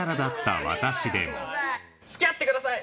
付き合ってください！